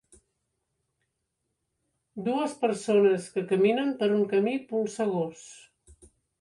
Dues persones que caminen per un camí polsegós.